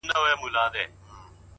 د ژوند ښکلا په ګټورتیا کې ده’